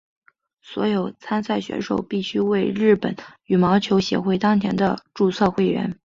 所有参赛选手必须为日本羽毛球协会当前的注册会员。